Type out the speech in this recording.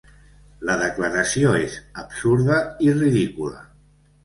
La declaració és absurda i ridícula.